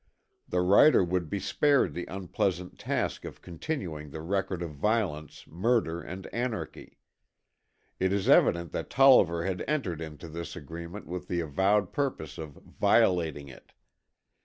The writer would be spared the unpleasant task of continuing the record of violence, murder and anarchy. It is evident that Tolliver had entered into this agreement with the avowed purpose of violating it.